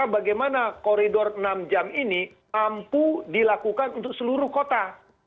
bagaimana koridor enam jam ini mampu dilakukan untuk seluruh kota